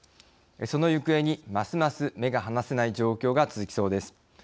その行方にますます目が離せない状況が続きそうです。